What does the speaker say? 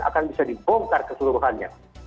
akan bisa dibongkar keseluruhannya